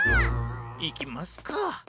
行きますか。